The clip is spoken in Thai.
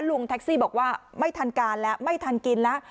ลุงแท็กซี่บอกว่าไม่ทันการแล้วไม่ทันกินแล้ว